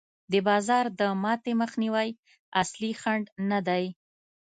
د بازار د ماتې مخنیوی اصلي خنډ نه دی.